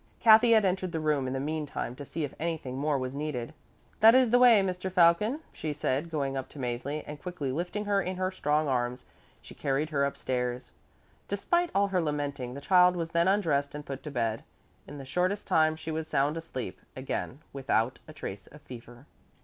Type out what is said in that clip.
Kathy had entered the room in the meantime to see if anything more was needed. "That is the way, Mr. Falcon," she said, going up to Mäzli, and quickly lifting her in her strong arms, she carried her upstairs. Despite all her lamenting the child was then undressed and put to bed. In the shortest time she was sound asleep again without a trace of fever.